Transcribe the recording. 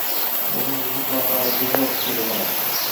Mening mutlaqo aybim yo`q, dedi mirob